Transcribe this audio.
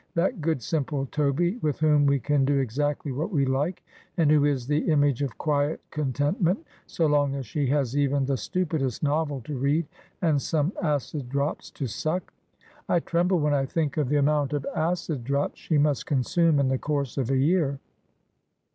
' That good simple Toby, with whom we can do exactly what we like, and who is the image of quiet contentment, so long as she has even the stupidest novel to read, and some acid drops to suck. I tremble when I think of the amount of acid drops she must consume in the course of a year.'